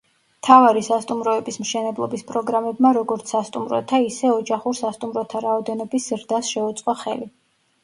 მთავარი სასტუმროების მშენებლობის პროგრამებმა როგორც სასტუმროთა, ისე ოჯახურ სასტუმროთა რაოდენობის ზრდას შეუწყო ხელი.